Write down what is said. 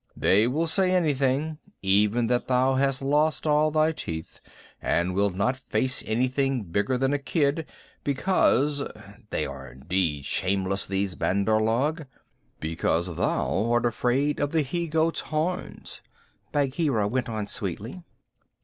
They will say anything even that thou hast lost all thy teeth, and wilt not face anything bigger than a kid, because (they are indeed shameless, these Bandar log) because thou art afraid of the he goat's horns," Bagheera went on sweetly.